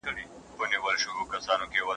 ¬ اوښ د باره ولوېدی، د بړ بړه و نه لوېدی.